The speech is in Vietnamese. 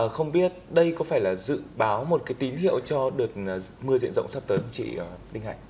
không biết đây có phải là dự báo một cái tín hiệu cho đợt mưa diện rộng sắp tới không chị đinh hạnh